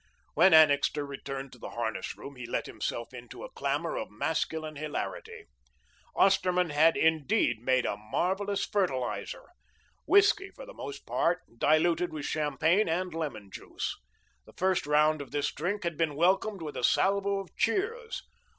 When Annixter returned to the harness room, he let himself into a clamour of masculine hilarity. Osterman had, indeed, made a marvellous "fertiliser," whiskey for the most part, diluted with champagne and lemon juice. The first round of this drink had been welcomed with a salvo of cheers.